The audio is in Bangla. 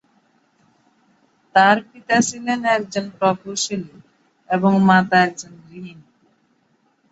তার পিতা ছিলেন একজন প্রকৌশলী এবং মাতা একজন গৃহিণী।